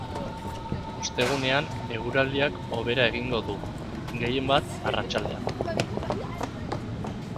Ostegunean eguraldiak hobera egingo du, gehienbat arratsaldean.